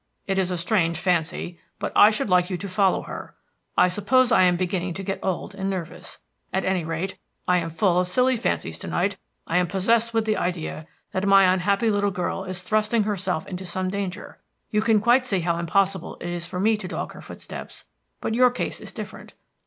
"It is a strange fancy, but I should like you to follow her. I suppose I am beginning to get old and nervous; at any rate, I am full of silly fancies tonight. I am possessed with the idea that my unhappy little girl is thrusting herself into some danger. You can quite see how impossible it is for me to dog her footsteps, but your case is different.